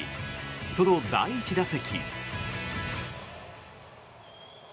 その第１打席。